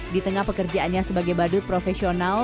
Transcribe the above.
di tengah pekerjaannya sebagai badut profesional